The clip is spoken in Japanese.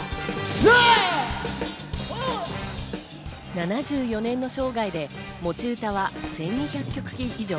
７４年の生涯で持ち歌は１２００曲以上。